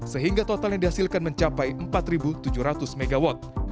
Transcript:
sehingga total yang dihasilkan mencapai empat tujuh ratus mw